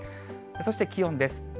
そして気温です。